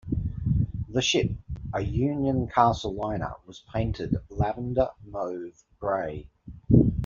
The ship, a Union-Castle liner, was painted lavender mauve grey.